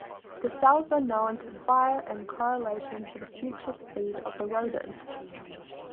The cells are known to fire in correlation to future speed of the rodent.